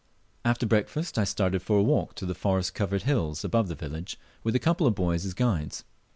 After breakfast I started for a walk to the forest covered hill above the village, with a couple of boys as guides.